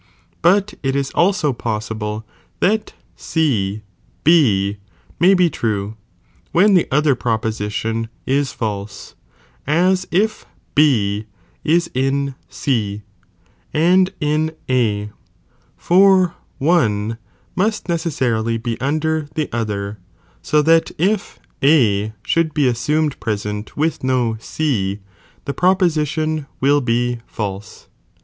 f But it is also possible that C B may be true, when the other proposition is false, aa if B is in C and in A, for one^ must ne cessiirily be under the other,§ so that if A should be assumed present with no C, the proposition will be false.